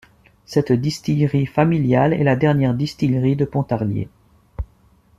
Cette distillerie familiale est la dernière distillerie de Pontarlier.